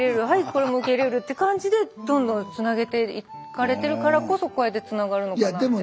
はいこれも受け入れるって感じでどんどんつなげていかれてるからこそこうやってつながるのかなって。